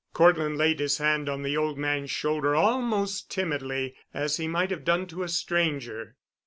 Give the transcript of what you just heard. Cortland laid his hand on the old man's shoulder almost timidly, as he might have done to a stranger.